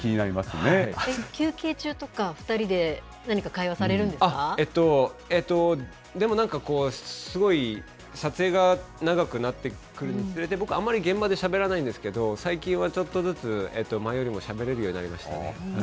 休憩中とか、２人で何か会話えっと、でもなんか、すごい撮影が長くなってくるにつれて、僕、あんまり現場でしゃべらないんですけど、最近はちょっとずつ、前よりもしゃべれるようになりま